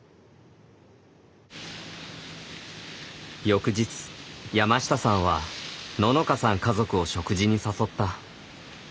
翌日山下さんはののかさん家族を食事に誘った。